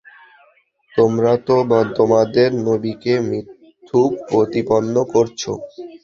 তোমরা তো তোমাদের নবীকে মিথুক প্রতিপন্ন করছ।